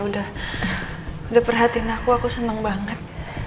udah perhatikan aku aku seneng banget